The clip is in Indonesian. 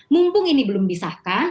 mumpung ini belum disahkan